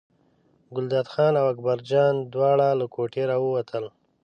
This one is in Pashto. ګلداد خان او اکبرجان دواړه له کوټې راووتل.